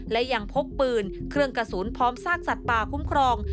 และยังพกปืนเครื่องกระสุนพร้อมซากสัตว์ป่าคุ้มครอง